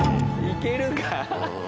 いけるか？